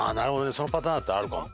そのパターンだったらあるかも。